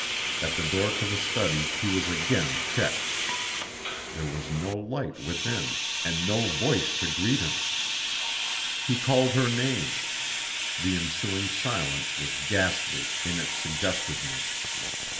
At the door to the study he was again checked there was no light within and no voice to greet him. He called her name; the ensuing silence was ghastly in its suggestiveness.